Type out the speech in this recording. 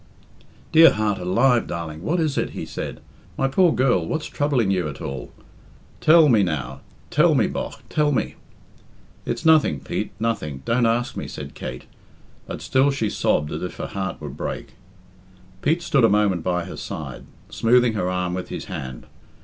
"Dear heart alive, darling, what is it?" he said. "My poor girl, what's troubling you at all? Tell me, now tell me, bogh, tell me." "It's nothing, Pete, nothing. Don't ask me," said Kate. But still she sobbed as if her heart would break. Pete stood a moment by her side, smoothing her arm with his hand.